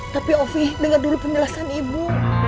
tapi ovi dengar dulu penjelasan ibu